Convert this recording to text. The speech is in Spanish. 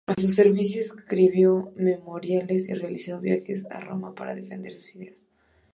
A su servicio escribió "Memoriales" y realizó viajes a Roma para defender sus ideas.